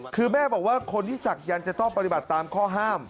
คือแม่บอกว่าคนที่ศักยันต์จะต้องปฏิบัติตามข้อห้าม